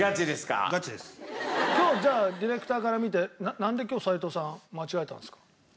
今日じゃあディレクターから見てなんで今日齋藤さん間違えたんですか？